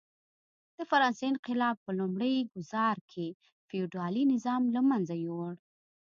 د فرانسې انقلاب په لومړي ګوزار کې فیوډالي نظام له منځه یووړ.